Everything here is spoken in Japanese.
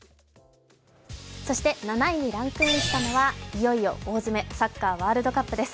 そして７位にランクインしたのは、いよいよ大詰めサッカー・ワールドカップです。